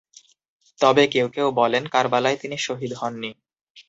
তবে কেউ কেউ বলেন কারবালায় তিনি শহীদ হননি।